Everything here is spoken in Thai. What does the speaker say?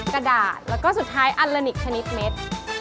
กระดาษแล้วก็สุดท้ายอัลลานิกชนิดเม็ด